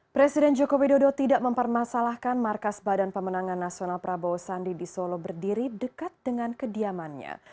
presiden joko widodo tidak mempermasalahkan markas badan pemenangan nasional prabowo sandi di solo berdiri dekat dengan kediamannya